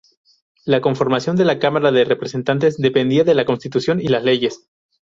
La conformación de la Cámara de Representantes dependía de la Constitución y las leyes.